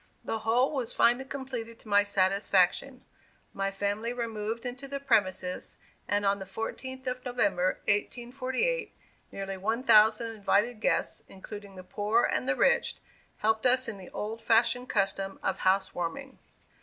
The whole was finally completed to my satisfaction. My family removed into the premises, and, on the fourteenth of November, 1848, nearly one thousand invited guests, including the poor and the rich, helped us in the old fashioned custom of "house warming."